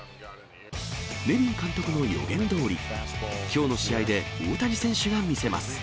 ネビン監督の予言どおり、きょうの試合で大谷選手が見せます。